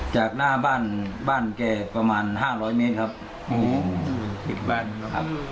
จากหน้าบ้านบ้านแก่ประมาณห้าร้อยเมตรครับอื้ออื้อหลีกบ้านครับ